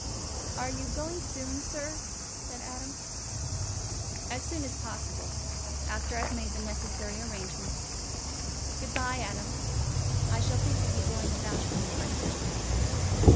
"Are you going soon, sir?" said Adam. "As soon as possible—after I've made the necessary arrangements. Good bye, Adam. I shall think of you going about the old place."